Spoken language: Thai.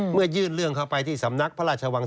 ยื่นเรื่องเข้าไปที่สำนักพระราชวัง